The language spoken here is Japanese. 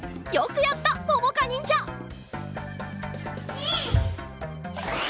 ニン！